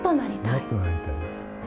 もっとなりたいです。